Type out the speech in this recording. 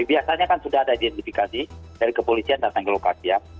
biasanya kan sudah ada identifikasi dari kepolisian datang ke lokasi ya